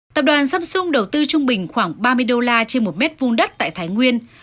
tập đoàn samsung đầu tư trung bình khoảng ba mươi đô la trên một mét vuông đất tại thái nguyên